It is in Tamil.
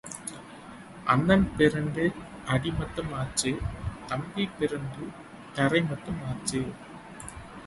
அண்ணன் பிறந்து அடிமட்டம் ஆச்சு தம்பி பிறந்து தரைமட்டம் ஆச்சு.